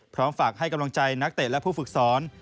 พร้อมฝากให้กำลังใจนักเตะและผู้ฝึกสอน